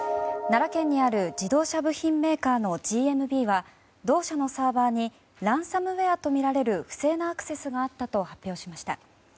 奈良県にある自動車部品メーカーのＧＭＢは同社のサーバーにランサムウェアとみられる不正なアクセスがあったと発表しました。